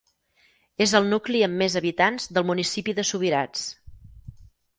És el nucli amb més habitants del municipi de Subirats.